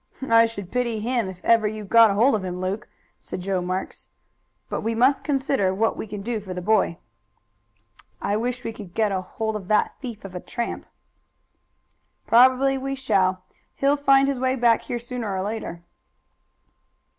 "I should pity him if ever you got hold of him, Luke," said Joe Marks. "But we must consider what we can do for the boy." "I wish we could get hold of that thief of a tramp!" "Probably we shall. He'll find his way back here sooner or later."